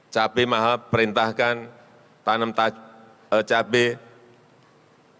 cabai mahal perintahkan tanam cabai